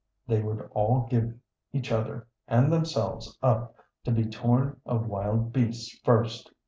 They would all give each other and themselves up to be torn of wild beasts first.